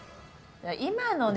今のね